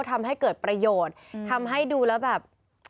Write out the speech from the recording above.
ทำให้เกิดประโยชน์ทำให้ดูแล้วแบบ